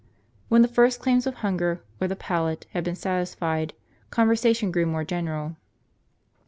is U U When the first claims of hunger, or the palate, had been satisfied, conversation grew more general.